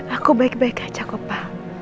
aku baik baik aja cakupan